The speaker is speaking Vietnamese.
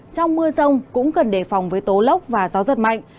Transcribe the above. trong mưa rông cũng cần đề phòng với tố lốc và gió giật mạnh